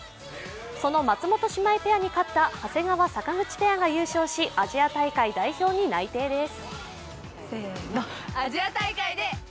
その松本姉妹ペアに勝った長谷川・坂口ペアが優勝しアジア大会代表に内定です。